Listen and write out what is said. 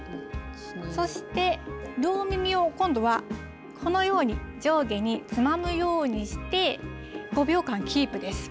そして両耳を、今度はこのように上下につまむようにして、５秒間キープです。